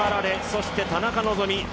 そして、田中希実